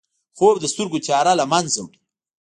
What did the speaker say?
خوب د سترګو تیاره له منځه وړي